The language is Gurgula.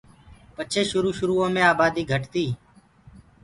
پڇي شروُ شروٚئو مي آباديٚ گھٽ تيٚ۔